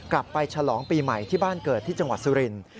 ไปฉลองปีใหม่ที่บ้านเกิดที่จังหวัดสุรินทร์